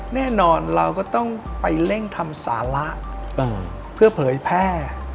แน่นอนเราก็ต้องไปเร่งทำสาระเพื่อเผยแพร่